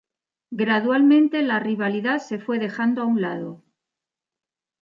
Gradualmente, la rivalidad se fue dejando a un lado.